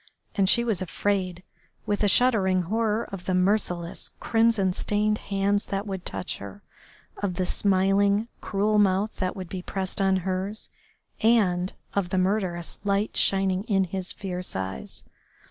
And she was afraid, with a shuddering horror, of the merciless, crimson stained hands that would touch her, of the smiling, cruel mouth that would be pressed on hers, and of the murderous light shining in his fierce eyes.